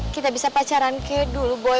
kita bisa pacaran ke dulu boy